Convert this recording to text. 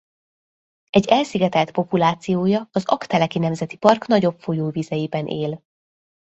Egy elszigetelt populációja az Aggteleki Nemzeti Park nagyobb folyóvizeiben él.